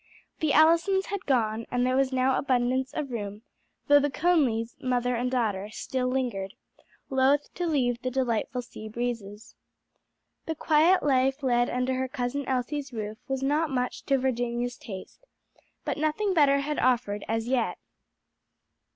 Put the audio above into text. The Allisons had gone, and there was now abundance of room, though the Conlys, mother and daughter, still lingered, loath to leave the delightful sea breezes. The quiet life led under her cousin Elsie's roof was not much to Virginia's taste, but nothing better had offered as yet.